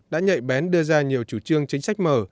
đã nhạy bén đưa ra nhiều chủ trương chính sách mở